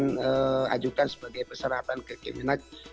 kita akan ajukan sebagai persyaratan ke kemenag